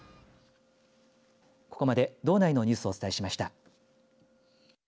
ここまで道内のニュースをお伝えしました。